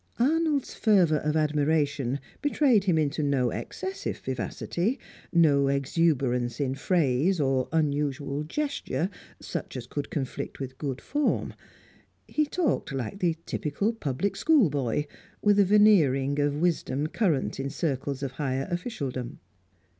Arnold's fervour of admiration betrayed him into no excessive vivacity, no exuberance in phrase or unusual gesture such as could conflict with "good form"; he talked like the typical public schoolboy, with a veneering of wisdom current in circles of higher officialdom.